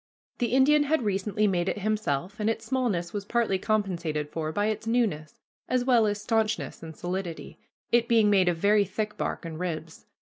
The Indian had recently made it himself, and its smallness was partly compensated for by its newness, as well as stanchness and solidity, it being made of very thick bark and ribs.